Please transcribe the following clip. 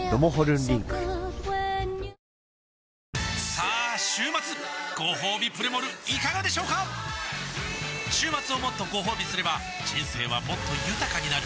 さあ週末ごほうびプレモルいかがでしょうか週末をもっとごほうびすれば人生はもっと豊かになる！